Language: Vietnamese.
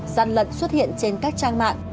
gian lận xuất hiện trên các trang mạng